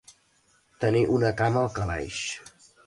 Tenir una cama al calaix.